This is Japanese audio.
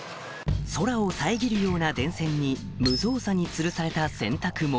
空を遮るような電線に無造作につるされた洗濯物